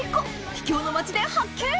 秘境の町で発見！